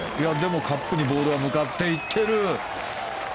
カップにボールが向かっていっている。